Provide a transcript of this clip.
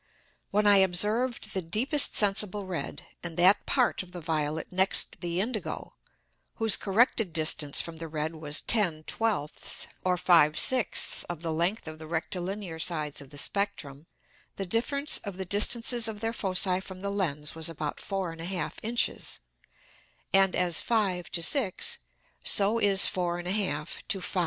When I observed the deepest sensible red, and that Part of the violet next the indigo, whose corrected distance from the red was 10/12 or 5/6 of the Length of the Rectilinear Sides of the Spectrum, the difference of the distances of their Foci from the Lens was about 4 1/2 Inches, and as 5 to 6, so is 4 1/2 to 5 2/5.